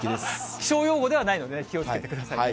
気象用語ではないので、気をつけてください。